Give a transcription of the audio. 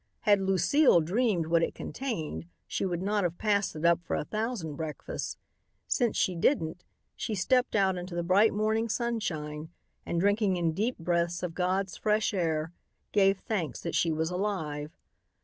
Had Lucile dreamed what it contained she would not have passed it up for a thousand breakfasts. Since she didn't, she stepped out into the bright morning sunshine, and drinking in deep breaths of God's fresh air, gave thanks that she was alive.